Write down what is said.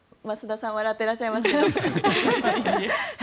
増田さん笑っていらっしゃいますが。